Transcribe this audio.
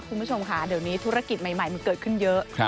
คุณผู้ชมค่ะเดี๋ยวนี้ธุรกิจใหม่มันเกิดขึ้นเยอะ